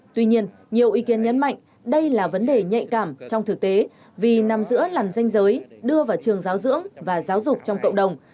tuy nhiên nhiều ý kiến nhấn mạnh đây là vấn đề nhạy cảm trong thực tế vì nằm giữa làn danh giới đưa vào trường giáo dưỡng và giáo dục trong cộng đồng